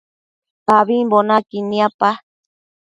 Ambimbo naquid niapa